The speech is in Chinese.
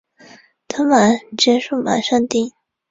等结束马上订